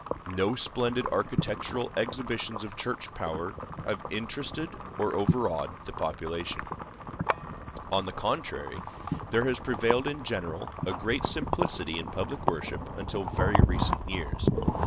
No splendid architectural exhibitions of Church power have interested or overawed the population. On the contrary, there has prevailed in general a great simplicity in public worship, until very recent years.